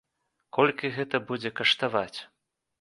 Колькі гэта будзе каштаваць?